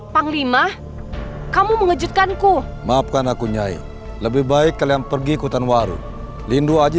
panglima kamu mengejutkanku maafkan aku nyai lebih baik kalian pergi hutan warung lidu haji